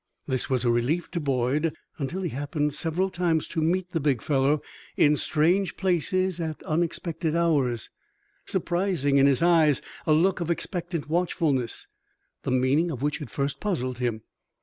This was a relief to Boyd, until he happened several times to meet the big fellow in strange places at unexpected hours, surprising in his eyes a look of expectant watchfulness, the meaning of which at first puzzled him.